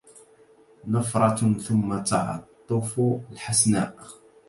نفرة ثم تعطف الحسناء